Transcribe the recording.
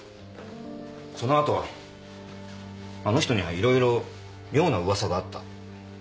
その後あの人にはいろいろ妙な噂があった。